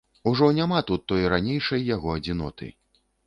Ужо няма тут той ранейшай яго адзіноты.